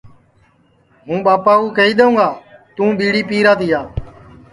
ہُوں ٻاپا کُو کیہیدؔیوں گا تُوں ٻِیڑی پِیرا تِیا